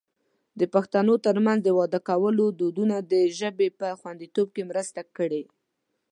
د پښتنو ترمنځ د واده کولو دودونو د ژبې په خوندیتوب کې مرسته کړې.